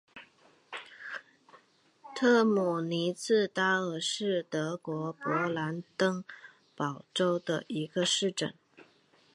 特姆尼茨塔尔是德国勃兰登堡州的一个市镇。